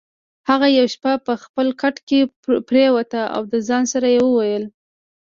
هغه یوه شپه په خپل کټ کې پرېوت او د ځان سره یې وویل: